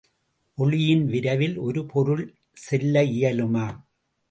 ஒளியின் விரைவில் ஒரு பொருள் செல்ல இயலுமா?